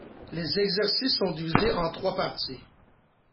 Les exercices sont divisés en trois parties.